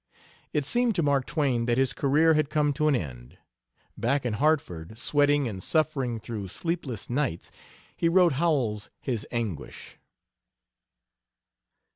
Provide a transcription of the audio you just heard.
It seemed to Mark Twain that his career had come to an end. Back in Hartford, sweating and suffering through sleepless nights, he wrote Howells his anguish.